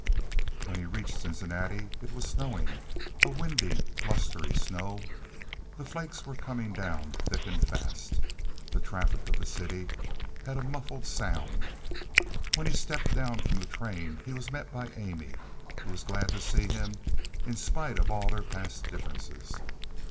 When he reached Cincinnati it was snowing, a windy, blustery snow. The flakes were coming down thick and fast. The traffic of the city had a muffled sound. When he stepped down from the train he was met by Amy, who was glad to see him in spite of all their past differences.